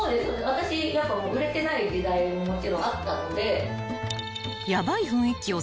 私売れてない時代ももちろんあったので。